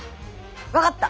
分かった。